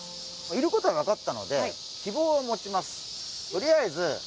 いることが分かったので、希望は持てます。